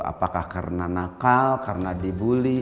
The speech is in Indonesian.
apakah karena nakal karena dibully